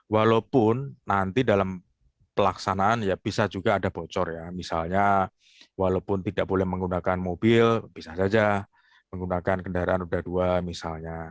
walaupun nanti dalam pelaksanaan ya bisa juga ada bocor ya misalnya walaupun tidak boleh menggunakan mobil bisa saja menggunakan kendaraan roda dua misalnya